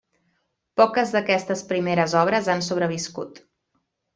Poques d'aquestes primeres obres han sobreviscut.